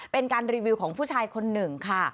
เป็นการรีวิวของผู้ชายคนหนึ่งค่ะ